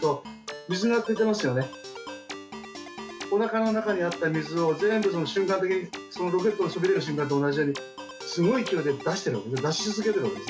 おなかの中にあった水を全部、瞬間的にそのロケットの飛び出る瞬間と同じようにすごい勢いで出してるので。